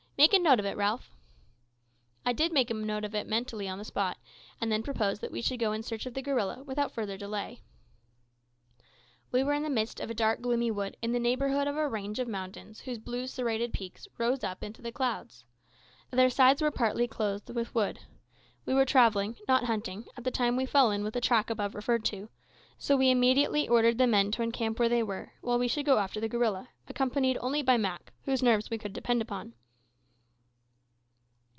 Make a note of it, Ralph." I did make a note of it mentally on the spot, and then proposed that we should go in search of the gorilla without further delay. We were in the midst of a dark gloomy wood in the neighbourhood of a range of mountains whose blue serrated peaks rose up into the clouds. Their sides were partly clothed with wood. We were travelling not hunting at the time we fell in with the track above referred to, so we immediately ordered the men to encamp where they were, while we should go after the gorilla, accompanied only by Mak, whose nerves we could depend on.